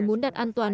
muốn đặt an toàn